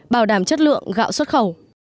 bảo đảm chất lượng gạo xuất khẩu